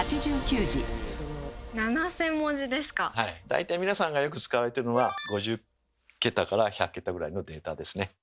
大体皆さんがよく使われてるのは５０桁から１００桁ぐらいのデータですね。